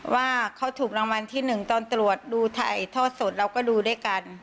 ว่าเขาถูกรางวัลที่๑ตอนตรวจดูถ่ายทอดสดเราก็ดูด้วยกัน